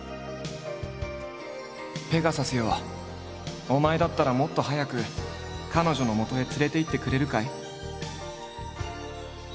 「ペガサスよお前だったらもっと早くカノジョの元へ連れていってくれるかい？」。